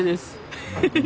フフフフ！